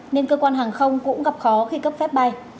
nên cơ quan hàng không cũng gặp khó khi cấp phép bay